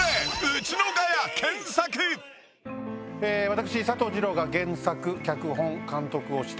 私佐藤二朗が原作脚本監督をして。